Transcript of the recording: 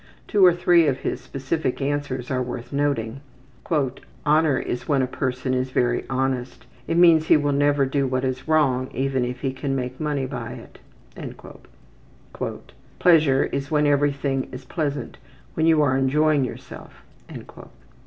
Two or three of his specific answers are worth noting: ``Honor is when a person is very honest. It means he will never do what is wrong even if he can make money by it.'' ``Pleasure is when everything is pleasant, when you are enjoying yourself.''